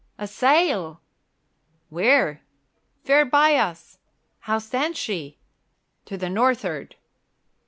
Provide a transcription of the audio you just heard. A sail!" "Where?" "Fair by us." "How stands she?" "To the north'ard."